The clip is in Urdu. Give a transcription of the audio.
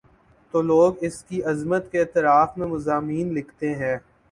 تو لوگ اس کی عظمت کے اعتراف میں مضامین لکھتے ہیں۔